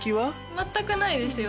全くないですよ